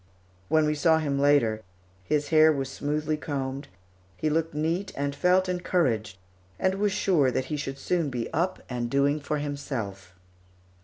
When we saw him later, his hair was smoothly combed; he looked neat and felt encouraged, and was sure that he should soon be up and doing for himself.